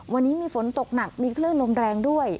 วันนี้มีฝนตกหนักมีคลื่นลมแรงด้วย